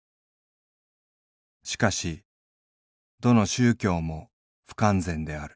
しかしどの宗教も不完全である。